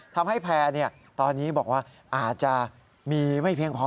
ทำให้แพร่ตอนนี้บอกว่าอาจจะมีไม่เพียงพอ